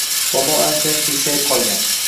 Bobom anchayin keksayib qolgan.